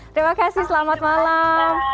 terima kasih selamat malam